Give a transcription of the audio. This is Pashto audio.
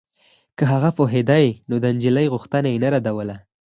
که هغه پوهېدای نو د نجلۍ غوښتنه يې نه ردوله.